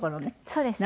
そうですね。